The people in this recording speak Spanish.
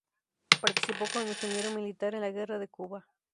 Participó como ingeniero militar en la guerra de Cuba.